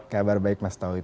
kabar baik mas tauhid